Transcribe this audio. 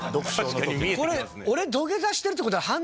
これ俺土下座してるって事は。